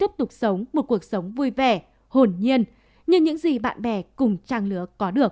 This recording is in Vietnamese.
thì có lẽ bé a đã có thể tiếp tục sống một cuộc sống vui vẻ hồn nhiên như những gì bạn bè cùng trang lứa có được